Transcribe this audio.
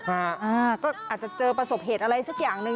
อาจจะเจอประสบเหตุอะไรสักอย่างหนึ่ง